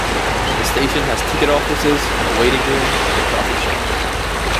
The station has ticket offices, a waiting room and a coffee shop.